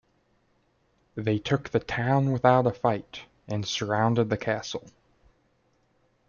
They took the town without a fight, and surrounded the castle.